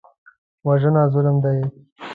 وژنه ظلم دی